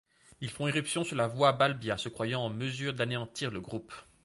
Ils font irruption sur la voie Balbia, se croyant en mesure d'anéantir le Groupe.